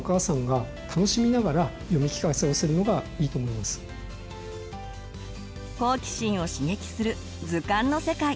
お父さんやお母さんが好奇心を刺激する図鑑の世界。